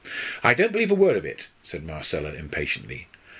"I don't believe a word of it," said Marcella, impatiently.